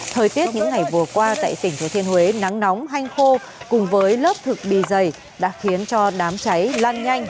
thời tiết những ngày vừa qua tại tỉnh thừa thiên huế nắng nóng hanh khô cùng với lớp thực bì dày đã khiến cho đám cháy lan nhanh